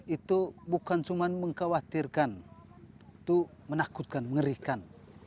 itu bukan cuma mengkhawatirkan itu menakutkan mengerikan